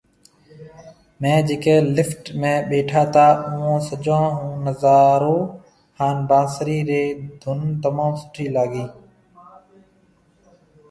ميهه جڪي لفٽ ۾ ٻيٺا تا اوئون سجون او نظارو هان بانسري ري ڌُن تموم سٺي لاگي